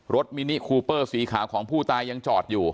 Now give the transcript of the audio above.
มินิคูเปอร์สีขาวของผู้ตายยังจอดอยู่